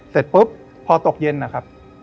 ก็พบกพอตกเย็นอะครับ